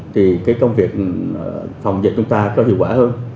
thì cái công việc phòng dịch chúng ta có hiệu quả hơn